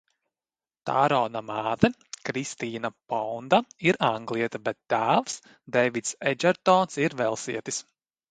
Tarona māte Kristīna Pounda ir angliete, bet tēvs Deivids Edžertons ir velsietis.